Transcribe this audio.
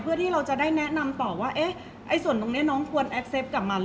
เพราะว่าสิ่งเหล่านี้มันเป็นสิ่งที่ไม่มีพยาน